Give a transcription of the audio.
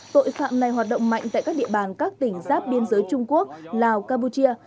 tội phạm này hoạt động mạnh tại các địa bàn các tỉnh giáp biên giới trung quốc lào campuchia